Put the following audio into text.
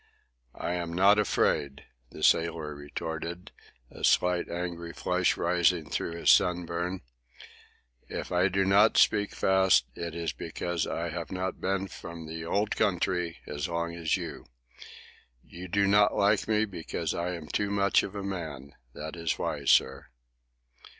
"I am not afraid," the sailor retorted, a slight angry flush rising through his sunburn. "If I speak not fast, it is because I have not been from the old country as long as you. You do not like me because I am too much of a man; that is why, sir."